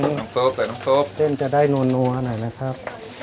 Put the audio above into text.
น้ำซุปใส่น้ำซุปเส้นจะได้นัวหน่อยนะครับ